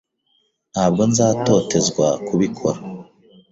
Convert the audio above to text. Ntabwo nzatotezwa kubikora.